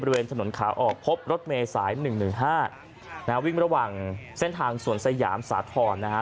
บริเวณถนนขาออกพบรถเมษาย๑๑๕นะฮะวิ่งระหว่างเส้นทางสวนสยามสาธรณ์นะฮะ